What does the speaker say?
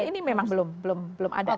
ini memang belum belum ada